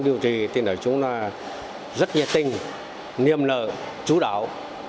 điều trì thì nói chúng là rất nhiệt tình niềm lợi chú đạo